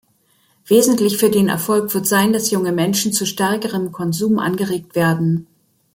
Wesentlich für den Erfolg wird sein, dass junge Menschen zu stärkerem Konsum angeregt werden.